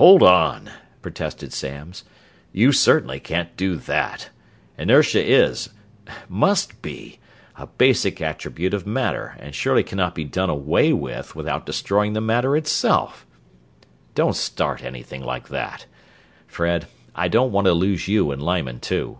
"Hold on!" protested Samms. "You certainly can't do that! Inertia is must be a basic attribute of matter, and surely cannot be done away with without destroying the matter itself. Don't start anything like that. Fred I don't want to lose you and Lyman, too."